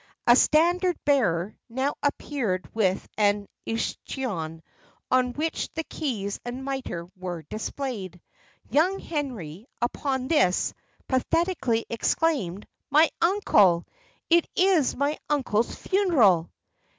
A standard bearer now appeared with an escutcheon, on which the keys and mitre were displayed. Young Henry, upon this, pathetically exclaimed, "My uncle! it is my uncle's funeral!"